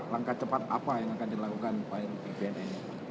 langkah cepat apa yang akan dilakukan pak herwi di bnn ini